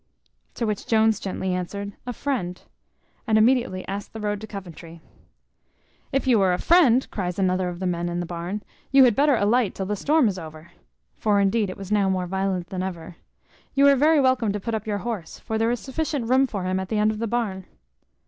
To which Jones gently answered, a friend; and immediately asked the road to Coventry. "If you are a friend," cries another of the men in the barn, "you had better alight till the storm is over" (for indeed it was now more violent than ever;) "you are very welcome to put up your horse; for there is sufficient room for him at the end of the barn."